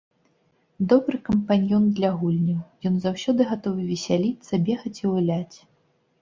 Добры кампаньён для гульняў, ён заўсёды гатовы весяліцца, бегаць і гуляць.